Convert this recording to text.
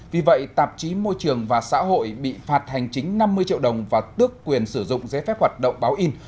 vì vậy tạp chí môi trường và xã hội bị phạt hành chính năm mươi triệu đồng và tước quyền sử dụng giấy phép hoạt động báo in